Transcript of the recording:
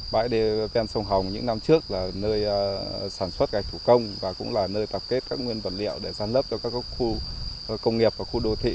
bãi đê ven sông hồng những năm trước là nơi sản xuất gạch thủ công và cũng là nơi tập kết các nguyên vật liệu để săn lấp cho các khu công nghiệp và khu đô thị